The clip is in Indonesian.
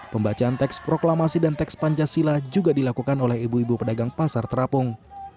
pembacaan teks proklamasi dan teks pancasila juga dilakukan oleh ibu ibu pedagang pasar terapung